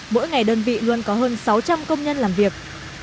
mỗi ngày đơn vị luôn có hơn sáu trăm linh công nhân làm việc